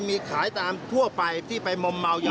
เพิ่มปรัวภรรยาภาพเบื้อไทย